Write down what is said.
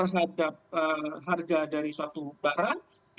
harga dari suatu barang